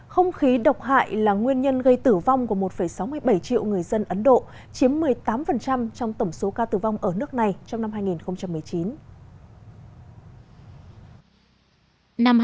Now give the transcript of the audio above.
không khí độc hại là nguyên nhân gây tử vong của một sáu mươi bảy triệu người dân ấn độ chiếm một mươi tám trong tổng số ca tử vong ở nước này trong năm hai nghìn một mươi chín